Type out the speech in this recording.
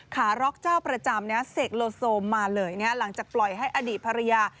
ขาร็อกเจ้าประจำเนี้ยเสกโลโซมมาเลยเนี้ยหลังจากปล่อยให้อดีตภรรยา